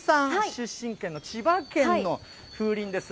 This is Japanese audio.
出身県の千葉県の風鈴です。